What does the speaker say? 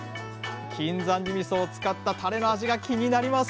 金山寺みそを使ったタレの味が気になります！